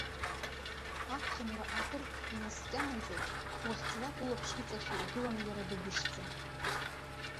Аԥхынра акыр инаскьаанӡагь, уахьцалак улаԥш иҵашәо игылан иара быбышӡа.